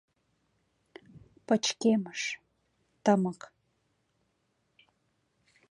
Пычкемыш, тымык.